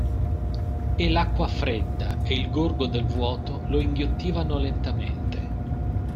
E l'acqua fredda e il gorgo del vuoto lo inghiottivano lentamente.